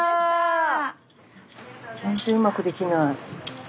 全然うまくできない。